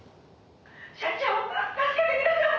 「社長助けてください！」